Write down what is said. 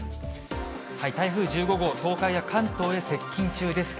台風１５号、東海や関東へ接近中です。